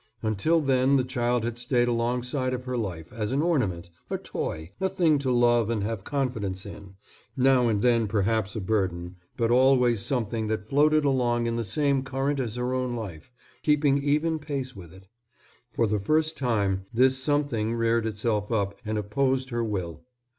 Until then the child had stayed alongside of her life, as an ornament, a toy, a thing to love and have confidence in, now and then perhaps a burden, but always something that floated along in the same current as her own life, keeping even pace with it. For the first time this something reared itself up and opposed her will.